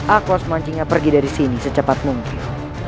aku harus mancingnya pergi dari sini secepat mungkin